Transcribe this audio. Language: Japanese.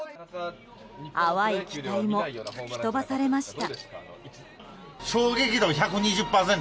淡い期待も吹き飛ばされました。